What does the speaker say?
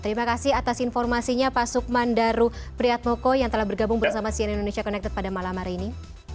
terima kasih atas informasinya pak sukmandaru priyadmoko yang telah bergabung bersama sien indonesia connected pada malam hari ini